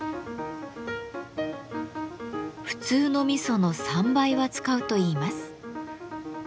普通の味噌の３倍は使うといいます。